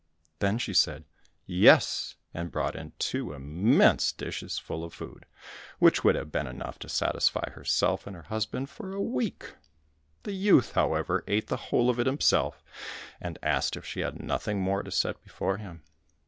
Then she said, "Yes," and brought in two immense dishes full of food, which would have been enough to satisfy herself and her husband for a week. The youth, however, ate the whole of it himself, and asked if she had nothing more to set before him.